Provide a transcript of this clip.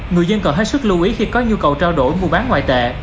người dân cần hết sức lưu ý khi có nhu cầu trao đổi mua bán ngoại tệ